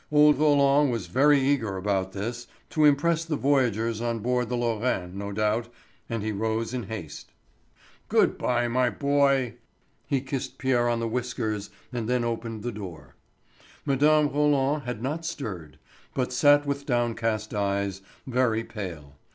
Old Roland was very eager about this, to impress the voyagers on board the Lorraine, no doubt, and he rose in haste. "Good bye, my boy." He kissed Pierre on the whiskers and then opened the door. Mme. Roland had not stirred, but sat with downcast eyes, very pale.